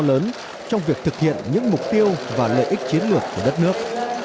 lớn trong việc thực hiện những mục tiêu và lợi ích chiến lược của đất nước